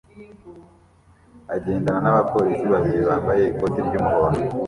agenda nabapolisi babiri bambaye ikoti ryumuhondo